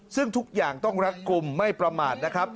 ซึ่งทุกอย่างต้องรัดกลุ่มไม่ประมาทนะครับ